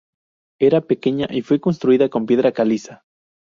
Era pequeña y fue construida con piedra caliza.